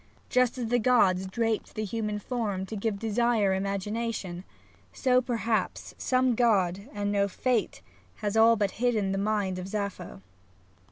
Just as the gods draped the human form to give desire imagination, so, perhaps, some god and no fate has all but hidden the mind of Sappho.